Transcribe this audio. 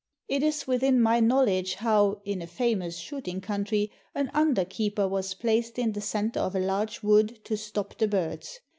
It is within my knowledge how, in a famous shooting country, an underkeeper was placed in the center of a large wood to stop the birds.